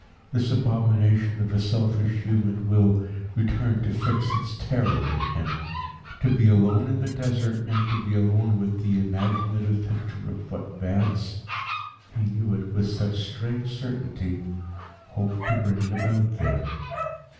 This abomination of a selfish human will returned to fix its terror in him. To be alone in the Desert meant to be alone with the imaginative picture of what Vance he knew it with such strange certainty hoped to bring about there.